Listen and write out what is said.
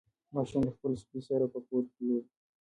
ماشوم د خپل سپي سره په کور کې لوبې کولې.